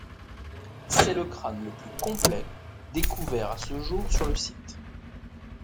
C'est le crâne le plus complet découvert à ce jour sur le site.